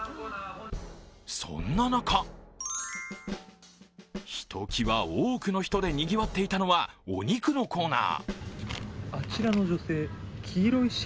そんな中ひときわ多くの人でにぎわっていたのはお肉のコーナー。